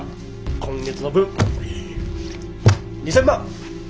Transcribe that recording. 今月の分２，０００万。